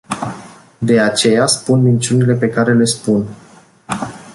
De aceea spun minciunile pe care le spun.